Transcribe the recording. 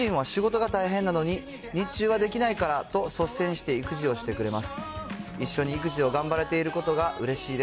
また、主人は仕事が大変なのに、日中はできないからと率先して育児をしてくれます。